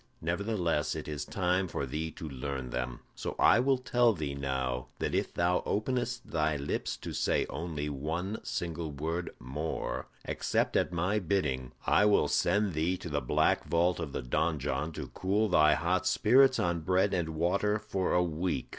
Nevertheless, it is time for thee to learn them. So I will tell thee now that if thou openest thy lips to say only one single word more except at my bidding, I will send thee to the black vault of the donjon to cool thy hot spirits on bread and water for a week."